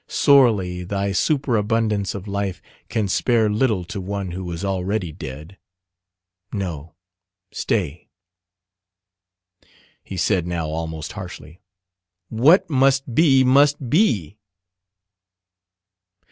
Sorely thy superabundance of life can spare little to one who is already dead. No, stay," he said now almost harshly, "what must be, must be!"